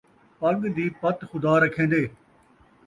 پڳ دی پت خدا رکھیندے